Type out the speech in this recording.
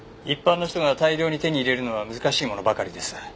一般の人が大量に手に入れるのは難しいものばかりです。